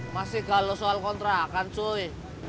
masih gak lo soal kontrakan cuy